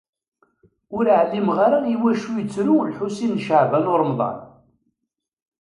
Ur ɛlimeɣ ara i wacu yettru Lḥusin n Caɛban u Ṛemḍan.